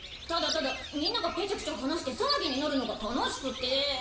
ただただみんながペチャクチャ話してさわぎになるのが楽しくて。